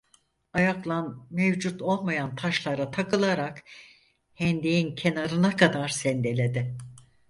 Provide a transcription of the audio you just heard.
Ayaklan mevcut olmayan taşlara takılarak hendeğin kenarına kadar sendeledi.